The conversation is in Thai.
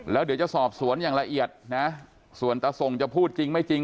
แล้วเดี๋ยวจะสอบสวนอย่างละเอียดนะส่วนตะส่งจะพูดจริงไม่จริง